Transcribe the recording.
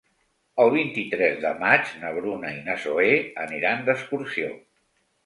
El vint-i-tres de maig na Bruna i na Zoè aniran d'excursió.